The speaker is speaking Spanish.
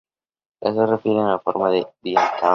Las dos se refieren a la forma del diente.